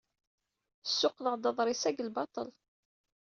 Ssuqqleɣ-d aḍris-a deg lbaṭel.